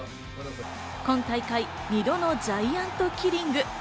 今大会、２度のジャイアントキリング。